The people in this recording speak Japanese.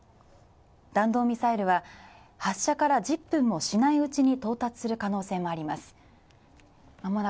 弾道ミサイルは発射から１０分もしないうちに到達する可能性があります。